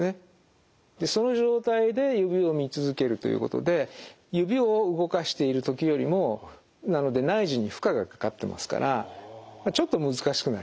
でその状態で指を見続けるということで指を動かしている時よりもなので内耳に負荷がかかってますからちょっと難しくなりますね。